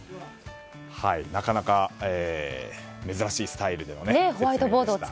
なかなか、珍しいスタイルでした。